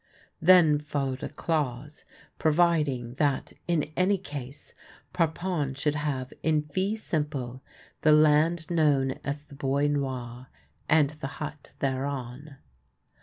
Then followed a clause providing that in any case Parpon should have in fee simple the land known as the Bois Noir, and the hut thereon.